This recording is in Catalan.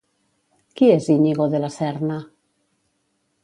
Qui és Íñigo de la Serna?